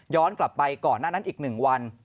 ย้อนกลับไปก่อนหน้านั้นอีกหนึ่งวัน